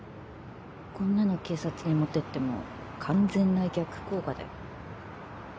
こんなの警察に持ってっても完全な逆効果だよ。